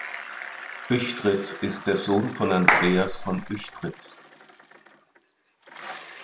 Uechtritz ist der Sohn von Andreas von Uechtritz.